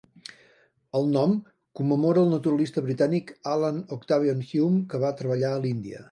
El nom commemora al naturalista britànic Allan Octavian Hume que va treballar a l'Índia.